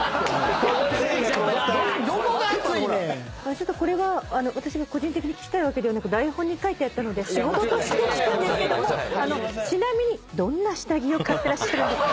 ちょっとこれは私が個人的に聞きたいわけでなく台本に書いてあったので仕事として聞くんですけどもちなみにどんな下着を買ってらっしゃるんですか？